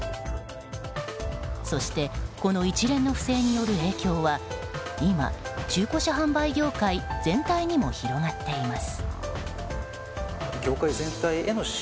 そしてこの一連の不正による影響は今、中古車販売業界全体にも広がっています。